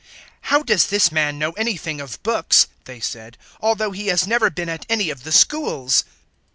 "How does this man know anything of books," they said, "although he has never been at any of the schools?"